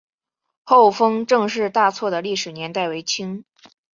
厚丰郑氏大厝的历史年代为清。